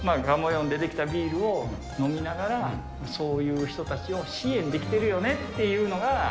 よんで出来たビールを飲みながら、そういう人たちを支援できてるよねっていうのが。